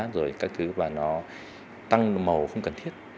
rồi các thứ và nó tăng màu không cần thiết